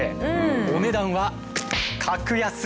お値段は格安。